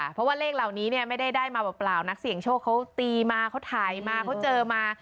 เพราะว่าเลขเหล่านี้เนี่ยไม่ได้ได้มาเปล่านักเสี่ยงโชคเขาตีมาเขาถ่ายมาเขาเจอมา